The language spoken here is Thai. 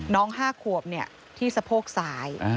น้อง๕ขวบที่สะโพกสาย